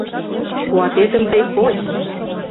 Куатетым тый поч!